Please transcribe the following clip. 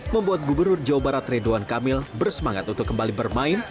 membuat gubernur jawa barat ridwan kamil bersemangat untuk kembali bermain